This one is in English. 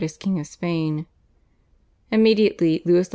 as king of Spain. Immediately Louis XIV.